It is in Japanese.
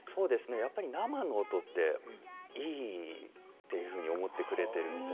やっぱり生の音っていいっていうふうに思ってくれてるみたいで。